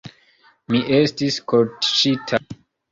Mi estis kortuŝita.